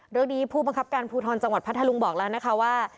เรื่องนี้ผู้บังคับการภูทรจังหวัดพัทธาลุงบอกแล้วนะคะว่า